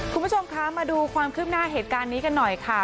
คุณผู้ชมคะมาดูความคืบหน้าเหตุการณ์นี้กันหน่อยค่ะ